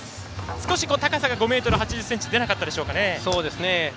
少し高さが５ｍ８０ｃｍ出なかったでしょうかね。